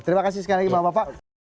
terima kasih sekali lagi bapak bapak